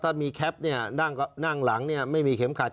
ถ้ามีแคปนั่งหลังไม่มีเข็มขัด